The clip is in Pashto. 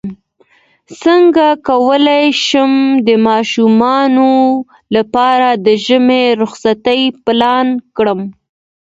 څنګه کولی شم د ماشومانو لپاره د ژمی رخصتۍ پلان کړم